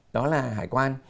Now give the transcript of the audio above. đó là hải quan